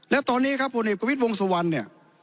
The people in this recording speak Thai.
และตอนนี้ครับหุ่นเห็นกวิทย์วงศวรรณเนี่ย